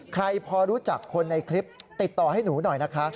ใครพอรู้จักคนในคลิปติดต่อให้หนูหน่อยนะคะ